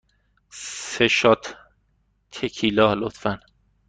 سه شات تکیلا، لطفاً.